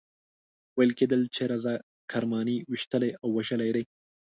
ویل کېدل چې رضا کرماني ویشتلی او وژلی دی.